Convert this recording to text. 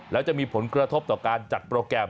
แล้วจะมีผลกระทบต่อการจัดโปรแกรม